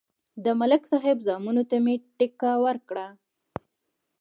د ملک صاحب زامنو ته مې ټېکه ورکړه.